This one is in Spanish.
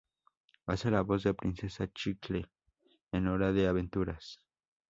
Hace la voz de Princesa Chicle en Hora de Aventuras